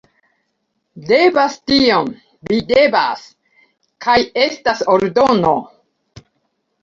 Devas tion... Vi devas. Kaj estas ordono.